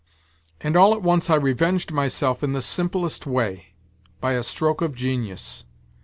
And all at once I revenged myself in the simplest way, by a stroke of genius